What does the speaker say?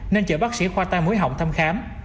nên chở bác sĩ khoa tai mũi họng thăm khám